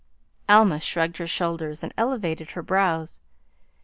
Alma shrugged her shoulders and elevated her brows.